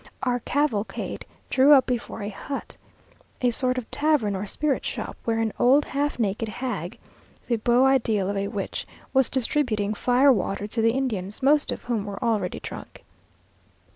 Our cavalcade drew up before a hut, a sort of tavern or spirit shop, where an old half naked hag, the beau ideal of a witch, was distributing fire water to the Indians, most of whom were already drunk.